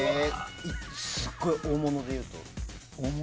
すごい大物でいうと？